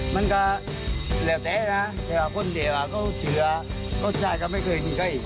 มันก็เหลือแท้นะแต่ว่าคนเดียวก็เชื่อก็ชายกับไม่เคยทิ้งไข่